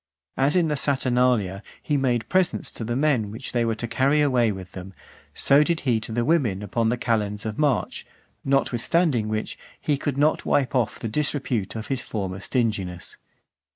As in the Saturnalia he made presents to the men which they were to carry away with them, so did he to the women upon the calends of March ; notwithstanding which, he could not wipe off the disrepute of his former stinginess.